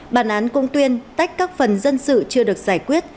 bản án cũng tuyên tách các phần dân sự chưa được giải quyết